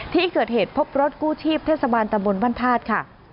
ที่เกิดเหตุพบรถกู้ชีพเทศบาลตำบลวันภาษณ์ค่ะ